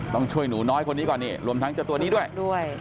ต้องช่วยหนูน้อยคนนี้ก่อนนี่รวมทั้งเจ้าตัวนี้ด้วย